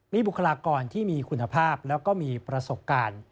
มีบุคลากรที่มีคุณภาพแล้วก็มีประสบการณ์